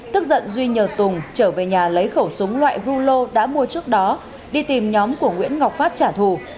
tức giận duy nhờ tùng trở về nhà lấy khẩu súng loại rulo đã mua trước đó đi tìm nhóm của nguyễn ngọc phát trả thù